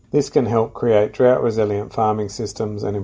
dan memperbaiki kesehatan tanah